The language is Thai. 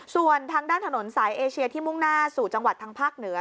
ส่วนทางด้านถนนสายเอเชียที่มุ่งหน้าสู่จังหวัดทางภาคเหนือ